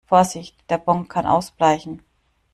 Vorsicht, der Bon kann ausbleichen!